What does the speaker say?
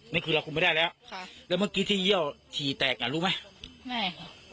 นี่คือเราคุมไม่ได้แล้วค่ะแล้วเมื่อกี้ที่เยี่ยวฉี่แตกอ่ะรู้ไหมไม่ค่ะ